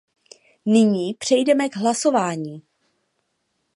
Nyní přejdeme k hlasování.